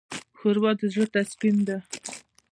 ښوروا د زړه تسکین ده.